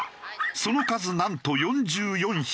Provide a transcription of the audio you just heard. その数なんと４４匹。